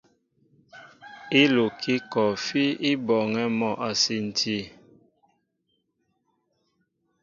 Ílukí kɔɔfí i bɔɔŋɛ́ mɔ a sinti.